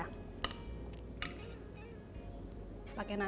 masukkan ke dalam